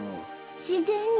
しぜんに？